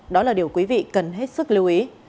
đó là điều quý vị cần hết sức lưu ý